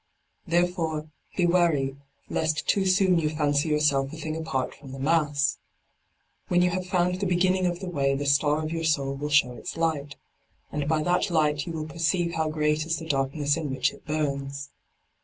There fore, be wary lest too soon you fancy yourself a thing apart from the mass. When you have found the beginning of the way the star of your soul will show its light; and by that d by Google 26 LIGHT ON THE PATH light you will perceive how great is the dark ness in which it bums.